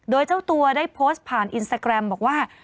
โดยเจ้าตัวได้โพสต์ผ่านอินสตาแกรมบอกว่า